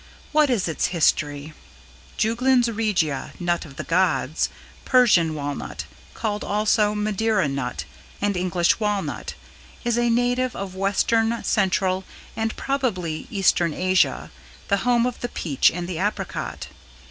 What is its history? Juglans Regia (nut of the gods) Persian Walnut, called also Madeira Nut and English Walnut, is a native of Western, Central and probably Eastern Asia, the home of the peach and the apricot.